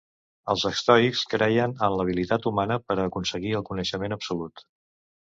Els estoics creien en l’habilitat humana per a aconseguir el coneixement absolut.